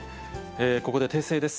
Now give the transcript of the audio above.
ここで訂正です。